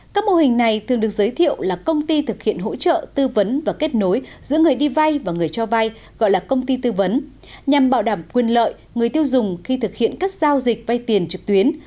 các mô hình này thường được giới thiệu là công ty thực hiện hỗ trợ tư vấn và kết nối giữa người đi vay và người cho vay gọi là công ty tư vấn nhằm bảo đảm quyền lợi người tiêu dùng khi thực hiện các giao dịch vay tiền trực tuyến